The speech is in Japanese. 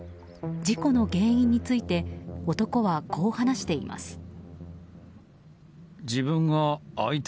事故の原因について男はこう話しています。